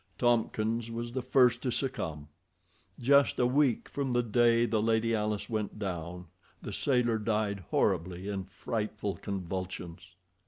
Tompkins was the first to succumb. Just a week from the day the Lady Alice went down the sailor died horribly in frightful convulsions.